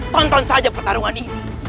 tonton saja pertarungan ini